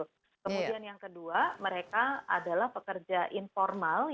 kemudian yang kedua mereka adalah pekerja informal